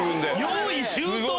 用意周到！